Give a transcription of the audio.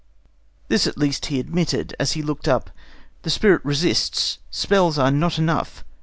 This at least he admitted, as he looked up: "The spirit resists. Spells are not enough.